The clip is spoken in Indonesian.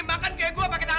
ya namanya juga keluarga